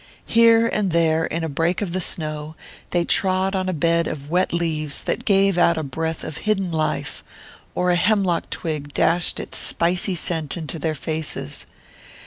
Here and there, in a break of the snow, they trod on a bed of wet leaves that gave out a breath of hidden life, or a hemlock twig dashed its spicy scent into their faces.